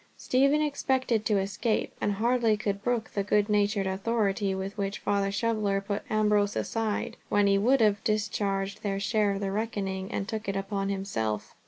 Stephen expected to escape, and hardly could brook the good natured authority with which Father Shoveller put Ambrose aside, when he would have discharged their share of the reckoning, and took it upon himself.